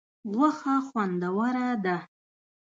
غوښه خوندوره ده.